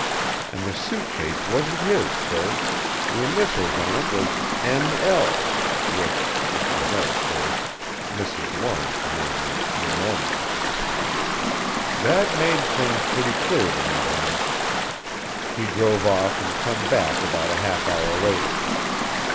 An' the suit case wasn't his, sir the initials on it was N.L. which, if you know, sir Mrs. Lawrence's name is Naomi. "That made things pretty clear to me then. He drove off and come back about a half hour later.